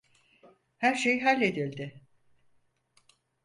Her şey halledildi.